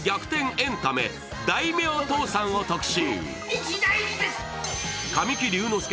エンタメ、「大名倒産」を特集。